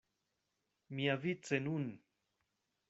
Miavice nun!